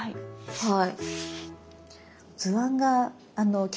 はい。